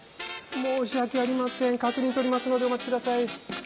申し訳ありません確認取りますのでお待ちください。